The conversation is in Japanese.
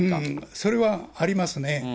それはありますね。